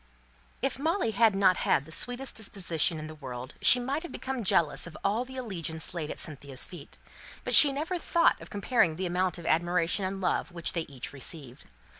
If Molly had not had the sweetest disposition in the world she might have become jealous of all the allegiance laid at Cynthia's feet; but she never thought of comparing the amount of admiration and love which they each received.